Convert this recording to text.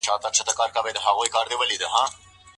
آیا په انټرنیټي درسونو کي له استاد سره اړیکه کمزوري ده؟